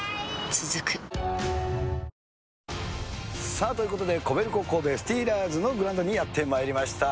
続くさあ、ということで、コベルコ神戸スティーラーズのグラウンドにやってまいりました。